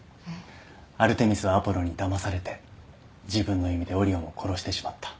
アルテミスはアポロンにだまされて自分の弓でオリオンを殺してしまった。